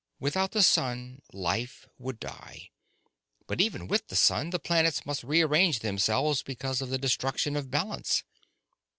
Without the sun, life would die, but even with the sun the planets must rearrange themselves because of the destruction of balance.